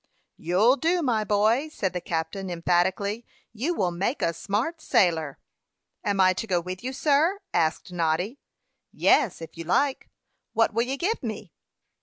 "You'll do, my boy!" said the captain, emphatically. "You will make a smart sailor." "Am I to go with you, sir?" asked Noddy. "Yes, if you like." "What will you give me?"